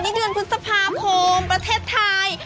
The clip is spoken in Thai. นี้เดือนพฤษภาพมูลประเทศไทย